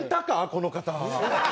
この方。